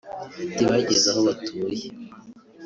Ati “Bageze aho batuye